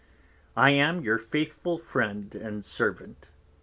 _I am your faithful Friend and Servant.